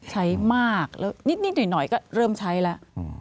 ใช้มากแล้วนิดหน่อยก็เริ่มใช้แล้ว